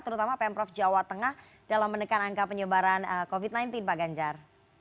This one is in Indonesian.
terutama pemprov jawa tengah dalam menekan angka penyebaran covid sembilan belas pak ganjar